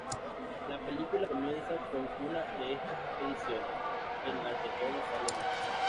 La película comienza con una de estas expediciones, en la que todo sale bien.